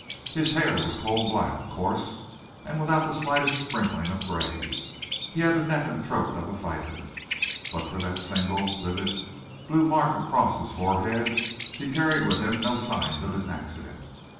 His hair was coal black, coarse, and without the slightest sprinkling of grey. He had the neck and throat of a fighter. But for that single, livid, blue mark across his forehead, he carried with him no signs of his accident.